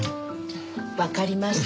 わかりました。